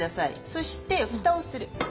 そして蓋をする。